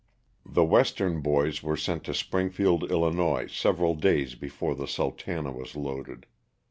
The western boys were sent to Springfield, 111., several days before the " Sultana" was loaded.